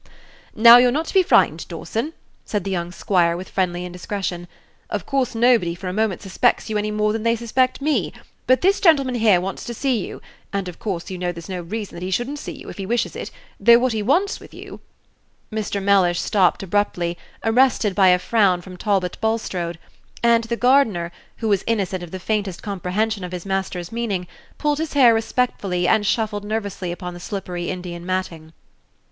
Page 185 "Now, you're not to be frightened, Dawson," said the young squire, with friendly indiscretion; "of course nobody for a moment suspects you any more than they suspect me; but this gentleman here wants to see you, and of course you know there's no reason that he should n't see you, if he wishes it, though what he wants with you " Mr. Mellish stopped abruptly, arrested by a frown from Talbot Bulstrode; and the gardener, who was innocent of the faintest comprehension of his master's meaning, pulled his hair respectfully, and shuffled nervously upon the slippery Indian matting.